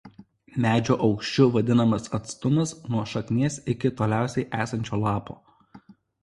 Medžio aukščiu vadinamas atstumas nuo šaknies iki toliausiai esančio lapo.